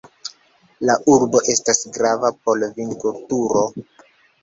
La urbo estas grava por vinkulturo.